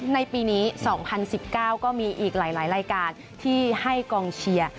ในปีนี้๒๐๑๙ก็มีอีกหลายรายการที่ให้กองเชียร์